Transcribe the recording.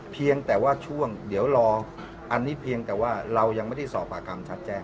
เพียงแต่ว่าช่วงเดี๋ยวรออันนี้เพียงแต่ว่าเรายังไม่ได้สอบปากคำชัดแจ้ง